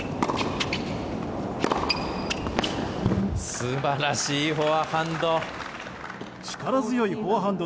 素晴らしいフォアハンド。